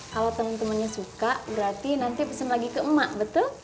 kalau teman temannya suka berarti nanti pesen lagi ke emak betul